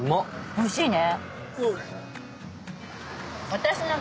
おいしいね。